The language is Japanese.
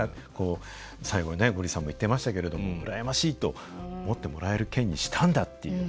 最後にねゴリさんも言ってましたけれども羨ましいと思ってもらえる県にしたんだっていう。